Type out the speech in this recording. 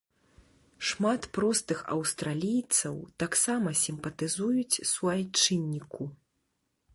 Шмат простых аўстралійцаў таксама сімпатызуюць суайчынніку.